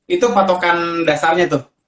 itu patokan dasarnya tuh